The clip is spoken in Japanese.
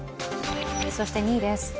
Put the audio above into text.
そして２位です。